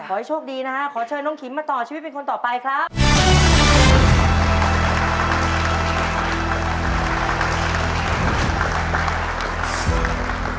ขอให้โชคดีนะฮะขอเชิญน้องขิมมาต่อชีวิตเป็นคนต่อไปครับ